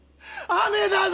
雨だぞ！